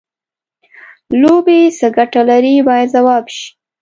لوبې څه ګټه لري باید ځواب شي.